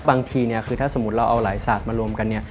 บางทีเนี่ยคือถ้าสมมุติเราเอาหลายศาสตร์มารวมกันเนี่ย